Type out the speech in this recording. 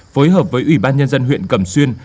phối hợp với ủy ban nhân dân huyện cẩm xuyên